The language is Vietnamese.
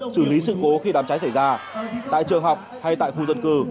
xử lý sự cố khi đám cháy xảy ra tại trường học hay tại khu dân cư